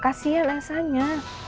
kasian elsa nya